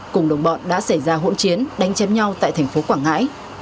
cùng đồng bọn đã xảy ra hỗn chiến đánh chém nhau tại thành phố quảng ngãi